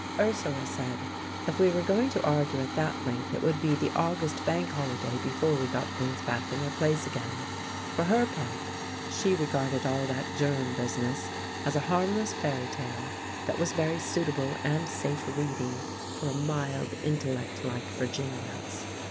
Ursula said if we were going to argue at that length it would be the August Bank Holiday before we got things back in their place again. For her part, she regarded all that germ business as a harmless fairy tale that was very suitable and safe reading for a mild intellect like Virginia's.